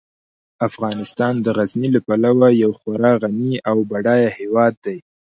افغانستان د غزني له پلوه یو خورا غني او بډایه هیواد دی.